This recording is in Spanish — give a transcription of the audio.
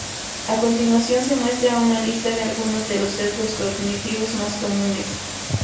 A continuación se muestra una lista de algunos de los sesgos cognitivos más comunes.